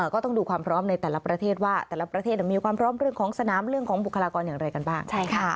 ก็ต้องดูความพร้อมในแต่ละประเทศว่าแต่ละประเทศมีความพร้อมเรื่องของสนามเรื่องของบุคลากรอย่างไรกันบ้าง